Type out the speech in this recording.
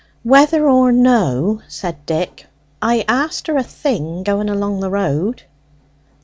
"Whether or no," said Dick, "I asked her a thing going along the road."